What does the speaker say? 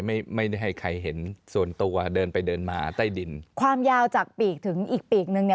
ไม่ได้ให้ใครเห็นส่วนตัวเดินไปเดินมาใต้ดินความยาวจากปีกถึงอีกปีกนึงเนี่ย